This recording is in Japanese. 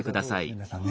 皆さんね。